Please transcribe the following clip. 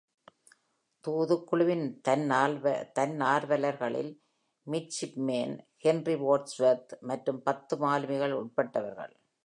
தூதுக்குழுவின் தன்னார்வலர்களில் மிட்ஷிப்மேன் Henry Wordsworth மற்றும் பத்து மாலுமிகள் உட்பட்டவர்கள்.